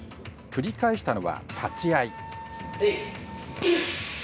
繰り返したのは立ち合い。